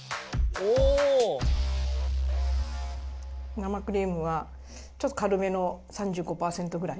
生クリームはちょっとかるめの３５％ぐらい？